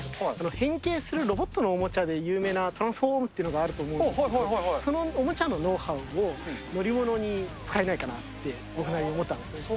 変形するロボットのおもちゃで有名な、トランスフォームっていうのがあると思うんですけど、そのおもちゃのノウハウを乗り物に使えないかなって、僕なりに思ったんです。